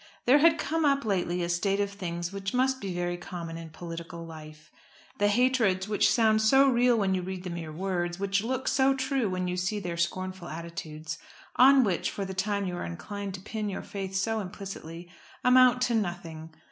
There had come up lately a state of things which must be very common in political life. The hatreds which sound so real when you read the mere words, which look so true when you see their scornful attitudes, on which for the time you are inclined to pin your faith so implicitly, amount to nothing.